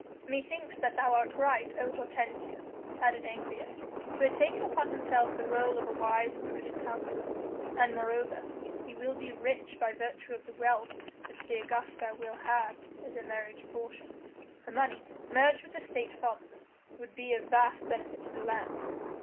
"Methinks that thou art right, O Hortensius," added Ancyrus, who had taken upon himself the rôle of a wise and prudent counsellor, "and moreover he will be rich by virtue of the wealth which the Augusta will have as her marriage portion; her money, merged with the State funds, would be of vast benefit to the land."